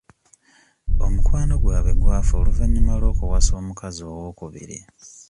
Omukwano gwabwe gwafa oluvannyuma lw'okuwasa omukazi owookubiri.